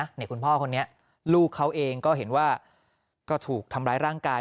นี่คุณพ่อคนนี้ลูกเขาเองก็เห็นว่าก็ถูกทำร้ายร่างกาย